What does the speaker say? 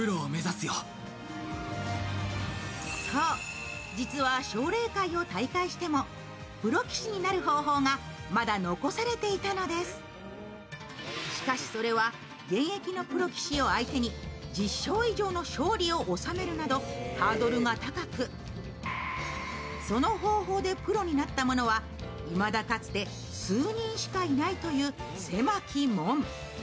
そう、実は奨励会を退会してもプロ棋士になる方法がしかしそれは現役のプロ棋士を相手に１０勝以上の勝利を収めるなどハードルが高く、その方法でプロになった者はいまだかつて数人しかいないという狭き門。